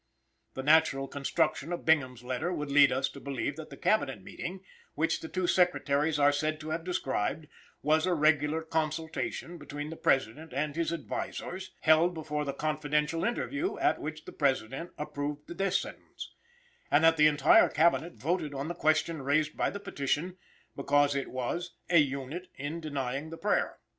The natural construction of Bingham's letter would lead us to believe that the Cabinet meeting, which the two Secretaries are said to have described, was a regular consultation between "the President and his advisers," held before the "confidential interview" at which the President "approved the death sentence;" and that the entire Cabinet voted on the question raised by the petition, because it was "a unit in denying the prayer."